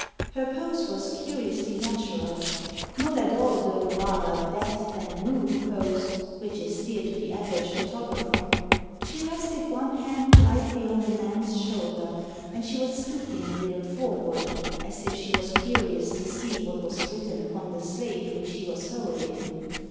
Her pose was curiously natural — not at all the rather death than move pose which is dear to the average photographer. She rested one hand lightly on the man's shoulder, and she was stooping a little forward as if she was curious to see what was written upon the slate which he was holding.